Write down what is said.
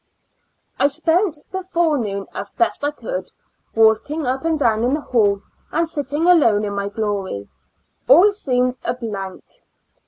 I spent the forenoon as best I could, walking up and down the hall, and sitting alone in my glory; all seemed a blank.